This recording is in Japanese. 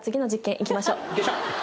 行きましょう。